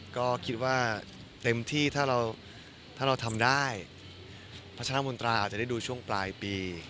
ก็คิดว่าเต็มที่ถ้าเราถ้าเราทำได้พัฒนามนตราอาจจะได้ดูช่วงปลายปี